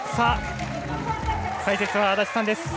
解説は安達さんです。